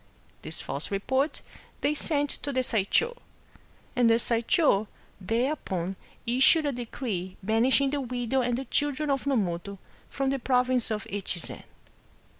This false report they sent to the Saisho,^ and the Saish5 thereupon issued a decree banishing the widow and the children of Nomoto from the province of Echi zen.